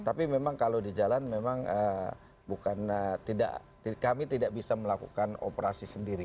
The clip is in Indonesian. tapi memang kalau di jalan memang bukan kami tidak bisa melakukan operasi sendiri